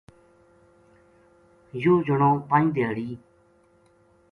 یوہ جنو پنج دھیاڑی